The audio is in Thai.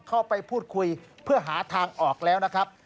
เข้าไปพูดคุยเพื่อหาทางออกแล้วนะครับ